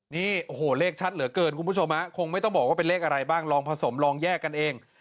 นี่โอ้โหเลขชัดเหลือเกินคุณผู้ชมฮะคงไม่ต้องบอกว่าเป็นเลขอะไรบ้างลองผสมลองแยกกันเอง